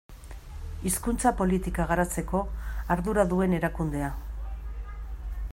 Hizkuntza politika garatzeko ardura duen erakundea.